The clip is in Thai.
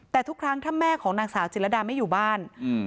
แต่ทุกครั้งถ้าแม่ของนางสาวจิลดาไม่อยู่บ้าน